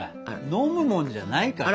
飲むもんじゃないからさ。